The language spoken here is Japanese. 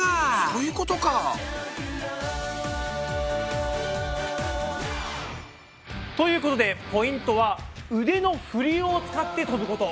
そういうことか。ということでポイントは腕のふりを使ってとぶこと。